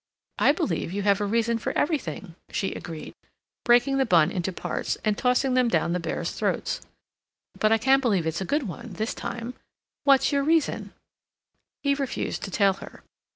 "I believe you have a reason for everything," she agreed, breaking the bun into parts and tossing them down the bears' throats, "but I can't believe it's a good one this time. What is your reason?" He refused to tell her.